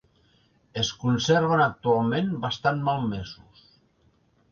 Es conserven actualment bastant malmesos.